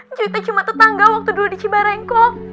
ncuy teh cuma tetangga waktu dulu di cibarengko